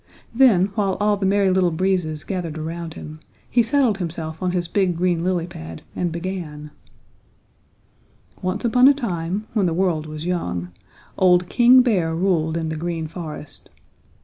Then, while all the Merry Little Breezes gathered around him, he settled himself on his big green lily pad and began: "Once upon a time, when the world was young, old King Bear ruled in the Green Forest.